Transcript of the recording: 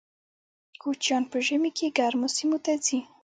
کوچیان په ژمي کې ګرمو سیمو ته ځي